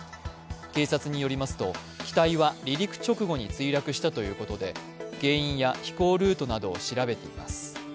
警察によりますと、機体は離陸直後に墜落したということで原因や飛行ルートなどを調べています。